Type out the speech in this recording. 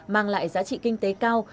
mang lại giá trị kinh tế cao